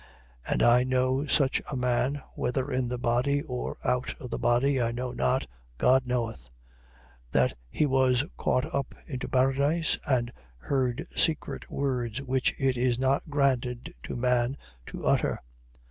12:3. And I know such a man (whether in the body, or out of the body, I know not: God knoweth): 12:4. That he was caught up into paradise and heard secret words which it is not granted to man to utter.